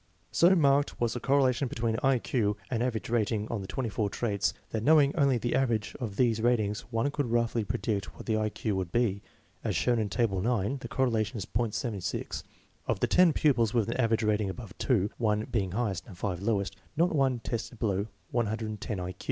So marked was the correlation between I Q and average rating on the twenty four traits that knowing only the average of these ratings one could roughly pre dict what the I Q would be. As shown in Table 9, the correlation is .76. Of the ten pupils with an average rating above 2 (1 being highest and 5 lowest), not one tested below 110 1 Q.